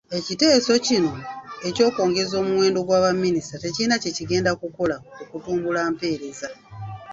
Ekiteeso kino ekyongeza omuwendo gwa baminisita tekirina kye kigenda kukola ku kutumbula mpeereza.